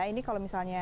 ini kalau misalnya